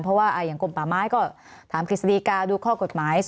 เพราะว่าอย่างกลมป่าไม้ก็ถามกฤษฎีกาดูข้อกฎหมาย